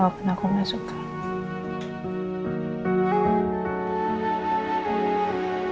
kamu kenapa jadi kayak kurus gini sih